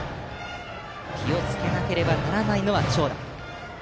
気をつけなければならないのは長打。